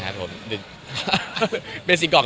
ยากพอก็ยากนานแล้ว